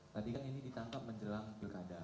tadi kan ini ditangkap menjelang pilkada